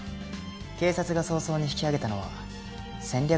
警察が早々に引き揚げたのは戦略だったんだね。